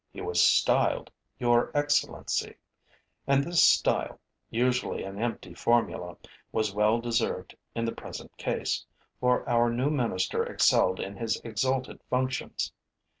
He was styled, 'Your excellency;' and this style, usually an empty formula, was well deserved in the present case, for our new minister excelled in his exalted functions.